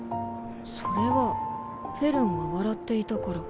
それはフェルンが笑っていたから。